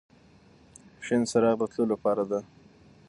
شین څراغ د تلو لپاره دی.